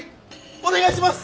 お願いします！